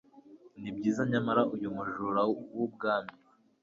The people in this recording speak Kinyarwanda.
nibyiza! nyamara uyu mujura w'ubwami